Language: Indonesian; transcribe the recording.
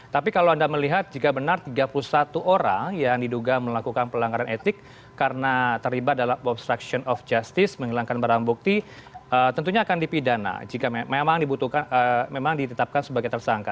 tapi kalau anda melihat jika benar tiga puluh satu orang yang diduga melakukan pelanggaran etik karena terlibat dalam obstruction of justice menghilangkan barang bukti tentunya akan dipidana jika memang ditetapkan sebagai tersangka